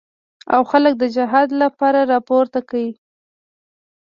او خلک د جهاد لپاره راپورته کړي.